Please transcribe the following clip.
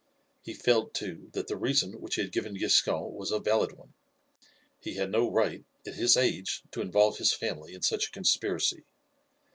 He felt, too, that the reason which he had given Giscon was a valid one. He had no right, at his age, to involve his family in such a conspiracy.